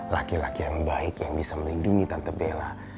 laki laki yang baik yang bisa melindungi tante bela